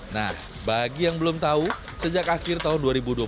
nah bagi yang belum tahu sejak akhir tahun dua ribu dua puluh satu